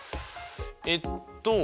えっと